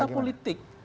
iya fakta politik